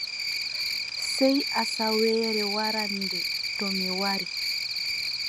Sey asawaare warande, to mi wari.